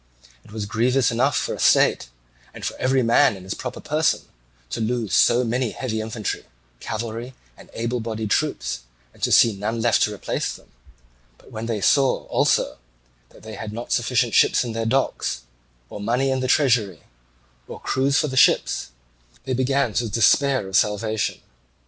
It was grievous enough for the state and for every man in his proper person to lose so many heavy infantry, cavalry, and able bodied troops, and to see none left to replace them; but when they saw, also, that they had not sufficient ships in their docks, or money in the treasury, or crews for the ships, they began to despair of salvation.